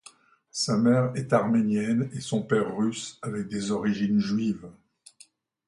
Sa mère est arménienne et son père russe avec des origines juives.